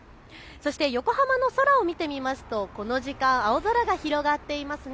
そして横浜の空を見てみますとこの時間青空が広がっていますね。